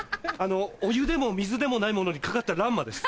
お湯でも水でもないものにかかった乱馬です。